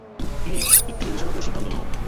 Please একটু বিবেচনা করে সিদ্ধান্ত নাও।